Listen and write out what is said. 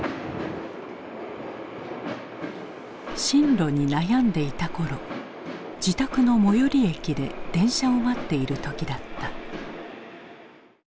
進路に悩んでいた頃自宅の最寄り駅で電車を待っている時だった。